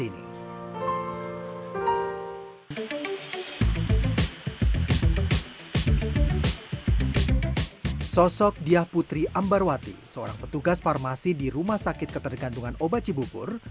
ini sosok diah putri ambarwati seorang petugas farmasi di rumah sakit ketergantungan obat cibubur